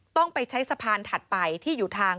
ต้องไปใช้สะพานถัดไปที่อยู่ทาง